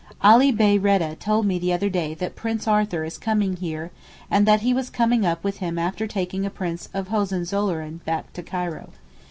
Ali Bey Rheda told me the other day that Prince Arthur is coming here and that he was coming up with him after taking a Prince of Hohenzollern back to Cairo.